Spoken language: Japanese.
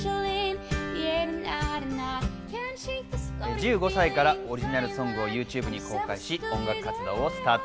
１５歳からオリジナルソングをＹｏｕＴｕｂｅに公開し、音楽活動をスタート。